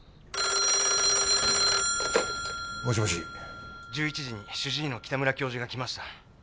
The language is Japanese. ☎１１時に主治医の喜多村教授が来ました。